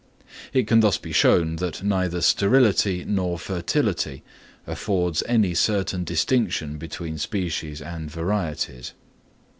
It can thus be shown that neither sterility nor fertility affords any certain distinction between species and varieties.